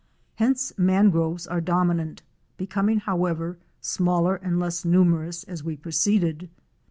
Hence mangroves are dominant, becoming, however, smaller and less numerous as we proceeded.